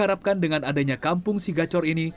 diharapkan dengan adanya kampung sigacor ini